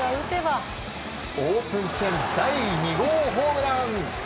オープン戦第２号ホームラン。